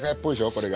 これが。